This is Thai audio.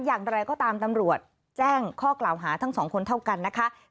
อย่างไรก็ตามตำรวจแจ้งข้อกล่าวหาทั้งสองคนเท่ากันนะคะ